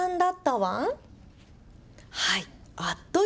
はい。